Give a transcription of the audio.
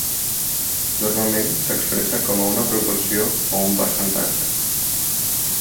Normalment s'expressa com a una proporció o un percentatge.